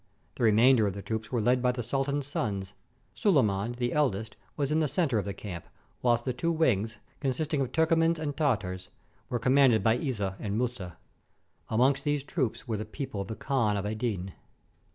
The remainder of the troops were led by the sultan's sons. Suleiman, the eldest, was in the center of the camp; whilst the two wings, consisting of Turcomans and Tar tars, were commanded by Isa and Muza. Amongst 462 THE COMING OF THE COMET these troops were the people of the Khan of Aidin.